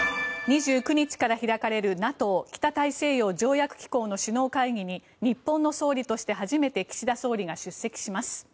２９日から開かれるＮＡＴＯ・北大西洋条約機構の首脳会議に日本の総理として初めて岸田総理が出席します。